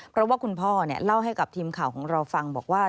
เพราะว่าคุณพ่อเล่าให้กับทีมข่าวของเราฟังบอกว่า